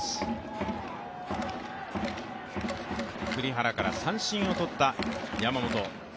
栗原から三振を取った山本。